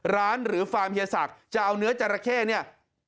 ร้านหรือฟาร์มฮียสักจะเอาเนื้อจาระเข้เนี่ย